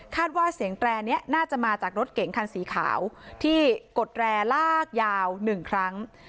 ว่าเสียงแตรนี้น่าจะมาจากรถเก๋งคันสีขาวที่กดแรลากยาว๑ครั้ง